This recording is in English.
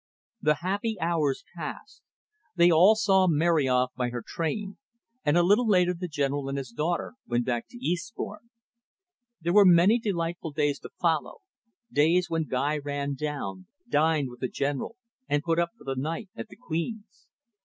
The happy hours passed. They all saw Mary off by her train, and a little later the General and his daughter went back to Eastbourne. There were many delightful days to follow, days when Guy ran down, dined with the General, and put up for the night at the "Queen's."